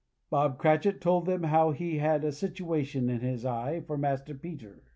Bob Cratchit told them how he had a situation in his eye for Master Peter.